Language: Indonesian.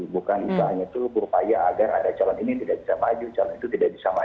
bukan istilahnya itu berupaya agar ada calon ini yang tidak bisa maju calon itu tidak bisa maju